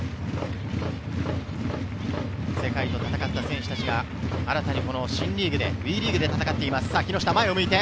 世界と戦った選手たちが新たに新リーグで、ＷＥリーグで戦っています。